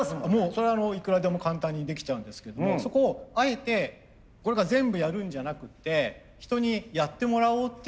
それはいくらでも簡単にできちゃうんですけどもそこをあえてこれが全部やるんじゃなくて人にやってもらおうっていう気にさせるっていう。